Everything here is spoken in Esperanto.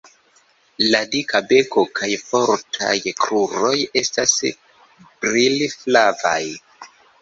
La dika beko kaj fortaj kruroj estas brilflavaj.